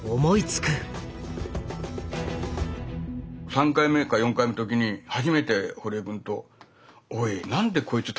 ３回目か４回目の時に初めて堀江君と「おいなんでこいつ旅してるんだ？」。